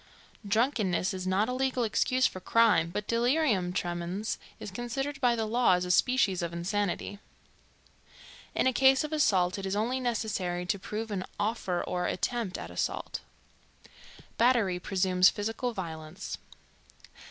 Drunkenness is not a legal excuse for crime, but delirium tremens is considered by the law as a species of insanity. In a case of assault it is only necessary to prove an "offer or attempt at assault." Battery presumes physical violence.